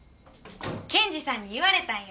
検事さんに言われたんよ。